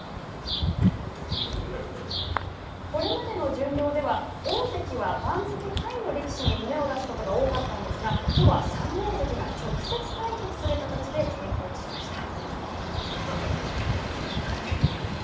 これまでの巡業では大関は番付下位の力士に胸を出すことが多かったんですがきょうは三大関が直接対決する形で稽古をしました。